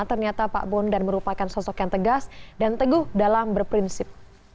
ternyata pak bondan merupakan sosok yang tegas dan teguh dalam berprinsip